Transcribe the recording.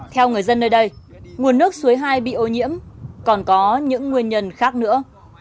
theo người dân nơi đây nguồn nước suối hai bị ô nhiễm còn có những nguyên nhân khác nữa